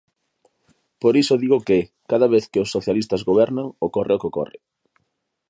Por iso digo que, cada vez que os socialistas gobernan, ocorre o que ocorre.